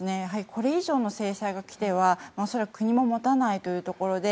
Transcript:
これ以上の制裁が来ては、恐らく国も持たないというところで